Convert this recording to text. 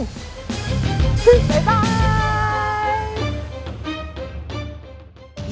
บ๊ายบาย